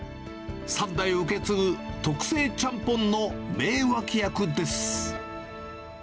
３代受け継ぐ特製ちゃんぽんの名脇役です。